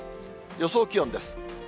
予想気温です。